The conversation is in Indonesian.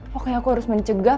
pokoknya aku harus mencegah